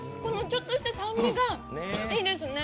ちょっとしたこの酸味がいいですね。